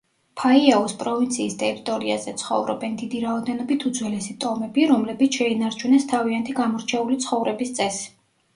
ფაიაუს პროვინციის ტერიტორიაზე ცხოვრობენ დიდი რაოდენობით უძველესი ტომები, რომლებიც შეინარჩუნეს თავიანთი გამორჩეული ცხოვრების წესი.